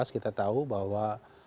kita tahu bahwa